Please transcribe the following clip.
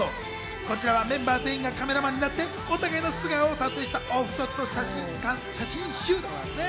こちらはメンバー全員がカメラマンになって、お互いの素顔を撮影したオフショット写真集。